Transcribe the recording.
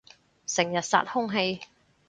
成日殺空氣